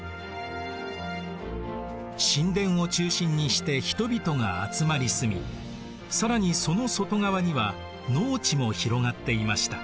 神殿を中心にして人々が集まり住み更にその外側には農地も広がっていました。